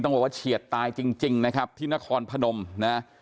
บอกว่าเฉียดตายจริงนะครับที่นครพนมนะ